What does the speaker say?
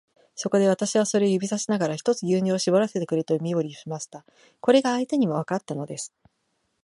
そこで、私はそれを指さしながら、ひとつ牛乳をしぼらせてくれという身振りをしました。これが相手にもわかったのです。